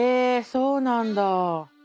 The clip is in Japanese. そうなんだ。